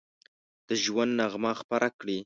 د ژوند نغمه خپره کړي